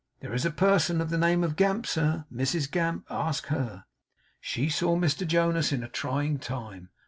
There is a person of the name of Gamp, sir Mrs Gamp ask her. She saw Mr Jonas in a trying time.